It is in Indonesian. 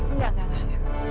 enggak enggak enggak